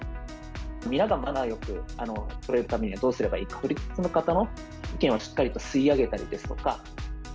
皆さん、マナーよく撮れるためにはどうすればいいか、撮り鉄の方の意見をしっかりと吸い上げたりですとか。